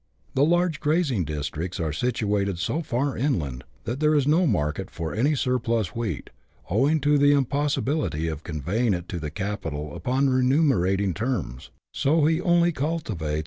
The large grazing districts are situated so far inland that there is no market for any surplus wheat, owing to the impossibility of conveying it to the capital upon remunerating terms, so he only cultivates 8S BUSH LIFE IN AUSTRALIA. [chap. vm.